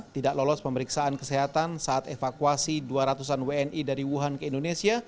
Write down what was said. tidak lolos pemeriksaan kesehatan saat evakuasi dua ratus an wni dari wuhan ke indonesia